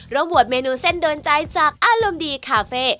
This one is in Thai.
บวชเมนูเส้นโดนใจจากอารมณ์ดีคาเฟ่